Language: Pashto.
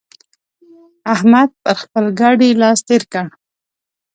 احمد پر خپل ګاډي لاس تېر کړ.